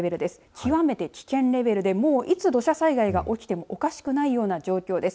極めて危険レベルでいつ土砂災害が起きてもおかしくないような状況です。